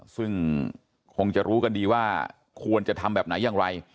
ซึ่งคงจะรู้กันดีว่าควรจะทำแบบไหนอย่างไร